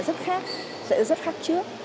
rất khác sẽ rất khác trước